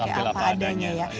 oke apa adanya ya